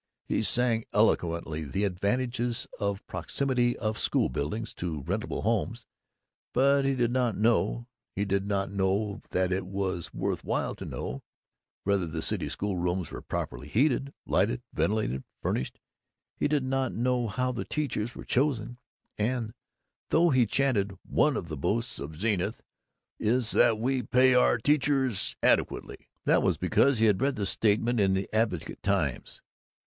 He sang eloquently the advantages of proximity of school buildings to rentable homes, but he did not know he did not know that it was worth while to know whether the city schoolrooms were properly heated, lighted, ventilated, furnished; he did not know how the teachers were chosen; and though he chanted "One of the boasts of Zenith is that we pay our teachers adequately," that was because he had read the statement in the Advocate Times.